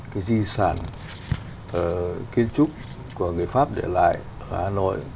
cái di sản kiến trúc của người pháp để lại ở hà nội